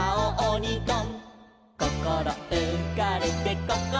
「こころうかれてこころうかれて」